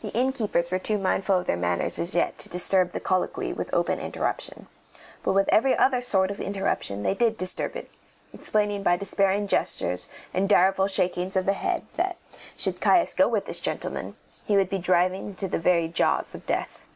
The innkeepers were too mindful of their manners as yet to disturb the colloquy with open interruption; but with every other sort of interruption they did disturb it, explaining by despairing gestures and direful shakings of the head that, should Caius go with this gentleman, he would be driving into the very jaws of death.